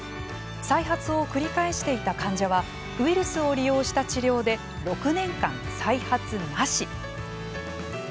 再発を繰り返していた患者はウイルスを利用した治療で６年間、再発なし。